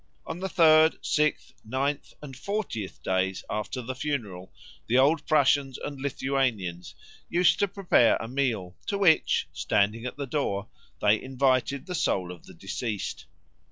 On the third, sixth, ninth, and fortieth days after the funeral the old Prussians and Lithuanians used to prepare a meal, to which, standing at the door, they invited the soul of the deceased.